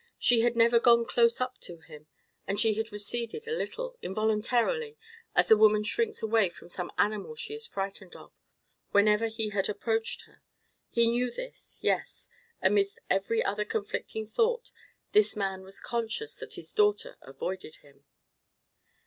She had never gone close up to him, and she had receded a little—involuntarily, as a woman shrinks away from some animal she is frightened of—whenever he had approached her. He knew this—yes, amidst every other conflicting thought, this man was conscious that his daughter avoided him.